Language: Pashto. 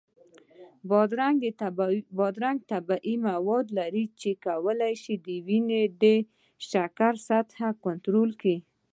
بادرنګ طبیعي مواد لري چې کولی شي د وینې د شکر سطحه کنټرول کړي.